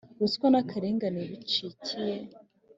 ruswa n akarengane bicike